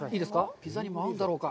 ピザにも合うんだろうか。